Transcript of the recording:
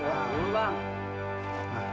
udah udah bang